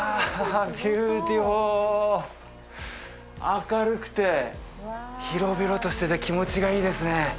ビューティフル明るくて広々としてて気持ちがいいですね